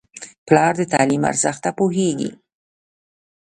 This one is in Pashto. پلار د تعلیم ارزښت ته پوهېږي.